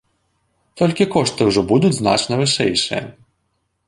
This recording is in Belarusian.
Толькі кошты ўжо будуць значна вышэйшыя.